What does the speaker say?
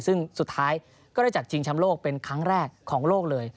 ซึ่งสุดท้ายก็ได้จัดชิงชำโลกเป็นครั้งแรกของโลกเลย